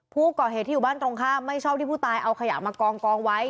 ผู้ก่อเหตุที่อยู่บ้านตรงข้ามไม่ชอบที่ผู้ตายเอาขยะมากองไว้